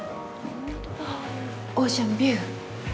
オーシャンビュー。